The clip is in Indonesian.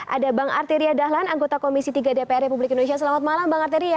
ada bang arteria dahlan anggota komisi tiga dpr republik indonesia selamat malam bang arteria